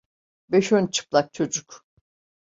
Beş on çıplak çocuk…